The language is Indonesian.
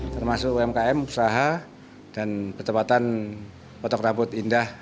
termasuk umkm usaha dan pertempatan potok rambut indah